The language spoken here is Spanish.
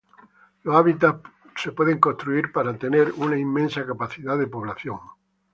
Los hábitats pueden ser construidos para tener una inmensa capacidad de población.